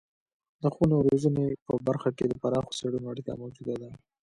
د ښوونې او روزنې په برخه کې د پراخو څیړنو اړتیا موجوده ده.